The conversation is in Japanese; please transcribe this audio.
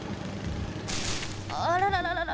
あららららら。